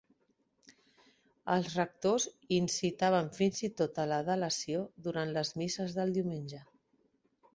Els rectors incitaven fins i tot a la delació durant les misses del diumenge.